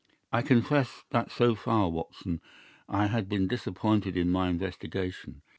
"I confess that so far, Watson, I had been disappointed in my investigation.